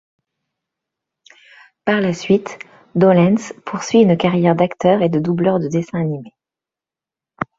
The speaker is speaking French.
Par la suite, Dolenz poursuit une carrière d'acteur et de doubleur de dessins animés.